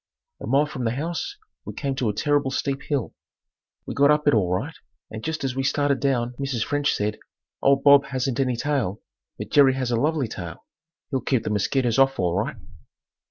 A mile from the house we came to a terrible steep hill. We got up it all right and just as we started down Mrs. French said, "Old Bob hasn't any tail, but Jerry has a lovely tail. He'll keep the mosquitoes off all right."